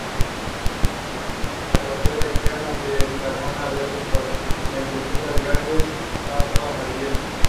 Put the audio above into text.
Esta procesión se prolonga hasta altas horas de la madrugada.